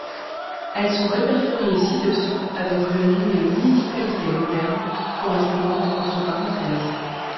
Elles sont répertoriées ci-dessous avec le nom des municipalités modernes correspondantes entre parenthèses.